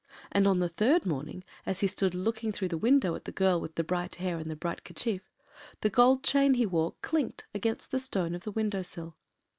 And on the third morning, as he stood looking through the window at the girl with the bright hair and the bright kerchief, the gold chain he wore clinked against the stone of the window sill.